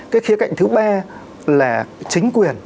cái khía cạnh thứ ba là chính quyền